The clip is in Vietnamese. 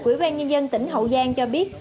quỹ ban nhân dân tỉnh hậu giang cho biết